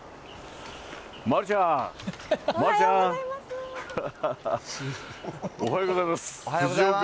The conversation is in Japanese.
丸ちゃん、丸ちゃん、おはようございます。